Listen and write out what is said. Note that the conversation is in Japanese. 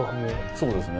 そうですね。